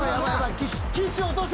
岸落とせ！